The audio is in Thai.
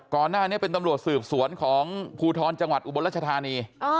ก่อนหน้านี้เป็นตำรวจสืบสวนของภูทรจังหวัดอุบลรัชธานี